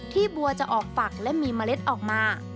บัวจะออกฝักและมีเมล็ดออกมา